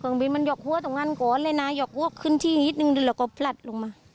เกิงบินมันหยอกพวกตรงนั้นกะวดเลยนะหยอกพวกขึ้นที่นิดนึงแล้วก็ผลัดลงมา